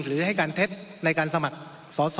หรือให้การเท็จในการสมัครสอสอ